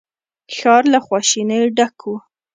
ښار له خواشينۍ ډک و.